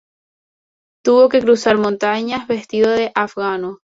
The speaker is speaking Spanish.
Tuvo que cruzar montañas vestido de afgano.